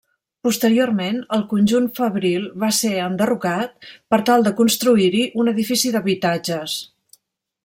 Posteriorment, el conjunt fabril va ser enderrocat per tal de construir-hi un edifici d'habitatges.